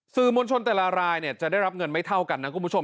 สื่อมวลชนแต่ละรายจะได้รับเงินไม่เท่ากันนะคุณผู้ชม